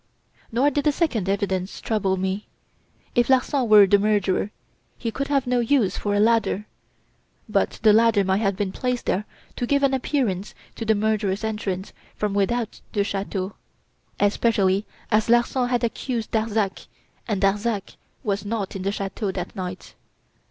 "Nor did the second evidence trouble me. If Larsan were the murderer, he could have no use for a ladder; but the ladder might have been placed there to give an appearance to the murderer's entrance from without the chateau; especially as Larsan had accused Darzac and Darzac was not in the chateau that night.